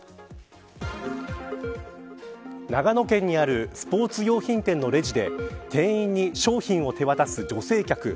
長野県にあるスポーツ用品店のレジで店員に商品を手渡す女性客。